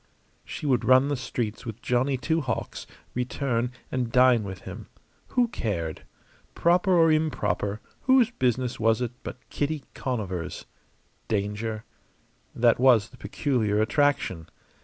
She would run the streets with Johnny Two Hawks, return, and dine with him. Who cared? Proper or improper, whose business was it but Kitty Conover's? Danger? That was the peculiar attraction.